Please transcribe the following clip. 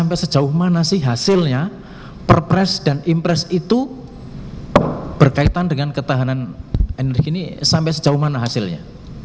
sampai sejauh mana sih hasilnya perpres dan impres itu berkaitan dengan ketahanan energi ini sampai sejauh mana hasilnya